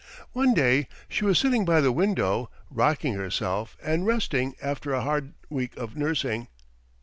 One day she was sitting by the window, rocking herself and resting after a hard week of nursing.